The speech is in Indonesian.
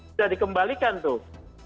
sudah dikembalikan tuh